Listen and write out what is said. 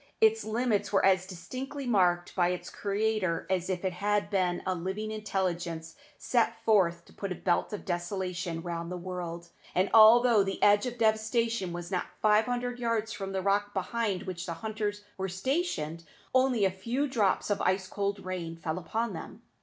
Its limits were as distinctly marked by its Creator as if it had been a living intelligence sent forth to put a belt of desolation round the world; and, although the edge of devastation was not five hundred yards from the rock behind which the hunters were stationed, only a few drops of ice cold rain fell upon them.